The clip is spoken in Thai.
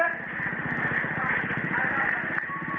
กลับมาเถอะ